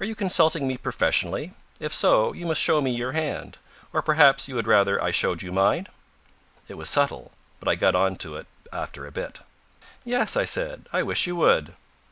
"Are you consulting me professionally? If so, you must show me your hand. Or perhaps you would rather I showed you mine?" It was subtle, but I got on to it after a bit. "Yes," I said, "I wish you would."